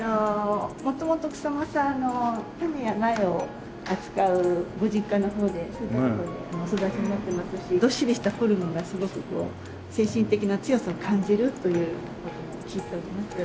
元々草間さん種や苗を扱うご実家の方でそういった所でお育ちになってますしどっしりしたフォルムがすごく精神的な強さを感じるという事を聞いております。